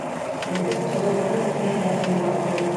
Беҙҙең ҡоҙоғобоҙ эргәһенә өй һалды.